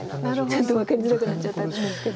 ちょっと分かりづらくなっちゃったんですけど。